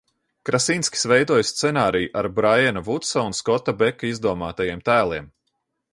Krasinskis veidojis scenāriju ar Braiana Vudsa un Skota Beka izdomātajiem tēliem.